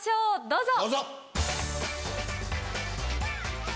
どうぞ！